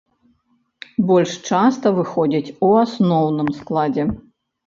Больш часта выходзіць у асноўным складзе.